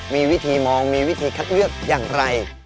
มีวิธีมองมีวิธีคัดเลือกอย่างไร